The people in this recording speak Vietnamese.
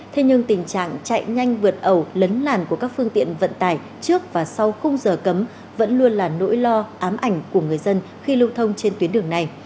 thế nhưng tình trạng chạy nhanh vượt ẩu lấn làn của các phương tiện vận tải trước và sau khung giờ cấm vẫn luôn là nỗi lo ám ảnh của người dân khi lưu thông trên tuyến đường này